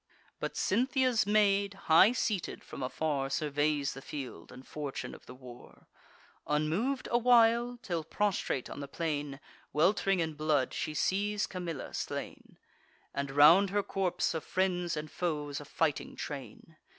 But Cynthia's maid, high seated, from afar Surveys the field, and fortune of the war, Unmov'd a while, till, prostrate on the plain, Welt'ring in blood, she sees Camilla slain, And, round her corpse, of friends and foes a fighting train.